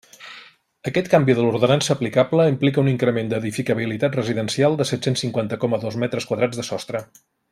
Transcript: Aquest canvi de l'ordenança aplicable implica un increment d'edificabilitat residencial de set-cents cinquanta coma dos metres quadrats de sostre.